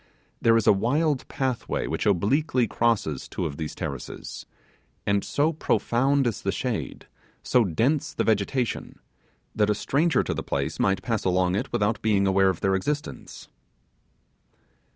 There is a wild pathway which obliquely crosses two of these terraces; and so profound is the shade, so dense the vegetation, that a stranger to the place might pass along it without being aware of their existence.